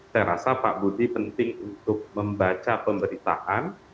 saya rasa pak budi penting untuk membaca pemberitaan